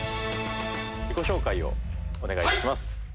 自己紹介をお願いいたします。